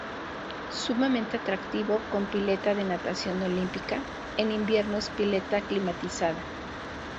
Sumamente atractivo, con pileta de natación olímpica, en invierno es pileta climatizada.